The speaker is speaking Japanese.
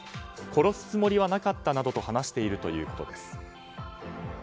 殺すつもりはなかったなどと話しているということです。